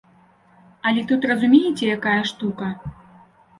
Але тут разумееце якая штука?